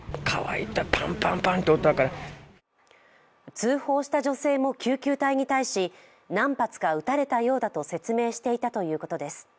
通報した女性も救急隊に対し、何発か撃たれたようだと説明していたということです。